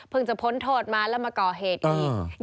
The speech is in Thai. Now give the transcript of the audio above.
จะพ้นโทษมาแล้วมาก่อเหตุอีก